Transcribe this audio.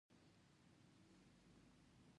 بیا یې د کابل د حکامو په ښوونځي کې تحصیل وکړ.